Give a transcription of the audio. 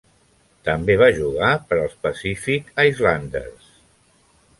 També va jugar per als Pacific Islanders.